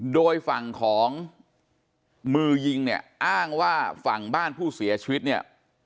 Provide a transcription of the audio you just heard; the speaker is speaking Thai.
โดยฝั่งของมือยิงเนี่ยอ้างว่าฝั่งบ้านผู้เสียชีวิตเนี่ย